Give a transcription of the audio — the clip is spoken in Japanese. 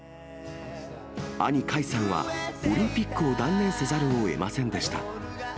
兄、魁さんはオリンピックを断念せざるをえませんでした。